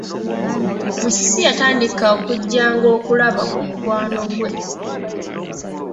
Musisi yatandika okujjanga okulaba ku mukwano gwe.